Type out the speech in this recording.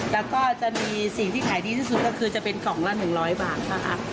แล้วก็จะมีสิ่งที่ขายดีที่สุดก็คือจะเป็นกล่องละ๑๐๐บาทนะคะ